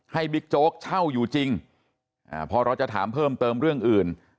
บิ๊กโจ๊กเช่าอยู่จริงพอเราจะถามเพิ่มเติมเรื่องอื่น